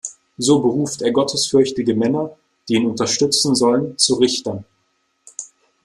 So beruft er gottesfürchtige Männer, die ihn unterstützen sollen, zu Richtern.